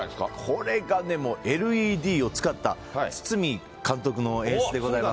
これがね、もうＬＥＤを使った、堤監督の演出でございます。